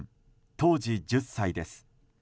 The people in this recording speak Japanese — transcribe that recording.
当時１０歳です。